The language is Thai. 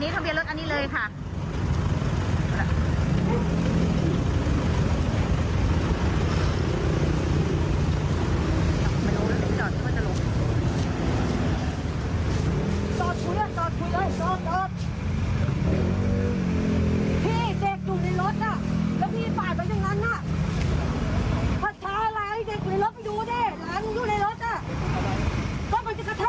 ตอนคุยตอนคุยเลยตอน